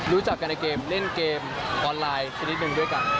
รู้จักกันในเกมเล่นเกมออนไลน์ชนิดหนึ่งด้วยกัน